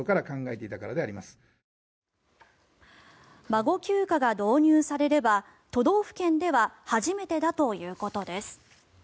孫休暇が導入されれば都道府県では初めてだということです。